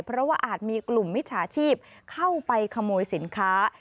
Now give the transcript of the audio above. เพราะว่าอาจมีกลุ่มมิจฉาชีพเข้าไปขโมยสินค้า